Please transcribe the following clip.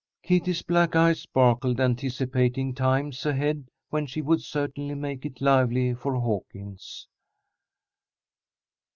Kitty's black eyes sparkled, anticipating times ahead when she would certainly make it lively for Hawkins.